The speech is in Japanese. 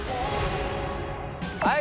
はい。